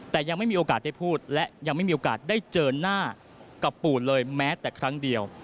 แต่ยังไม่มีโอกาสได้พูดและยังไม่มีโอกาสได้เจอหน้ากับปู่เลยแม้แต่ครั้งเดียว